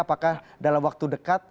apakah dalam waktu dekat